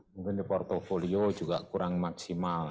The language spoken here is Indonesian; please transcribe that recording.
mungkin di portfolio juga kurang maksimal